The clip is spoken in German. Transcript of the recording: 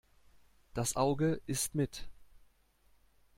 Das Auge isst mit.